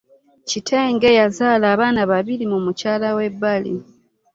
Kitenge yazaala abaana babiri mu mukyala w'ebbali.